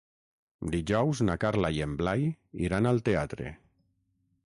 Dijous na Carla i en Blai iran al teatre.